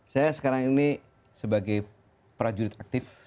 saya sekarang ini sebagai prajurit aktif